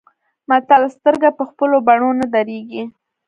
متل : سترګه په خپلو بڼو نه درنيږي.